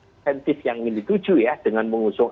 insentif yang milih tujuh ya dengan mengusung